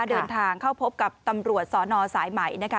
เดินทางเข้าพบกับตำรวจสนสายใหม่นะคะ